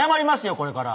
これから！